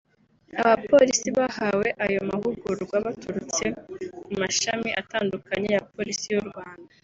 Abapolisi bahawe ayo mahugurwa baturutse mu mashami atandukanye ya Polisi y’u Rwanda